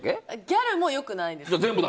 ギャルも良くないです。